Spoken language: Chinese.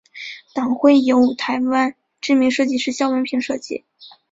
党徽由台湾知名设计师萧文平设计。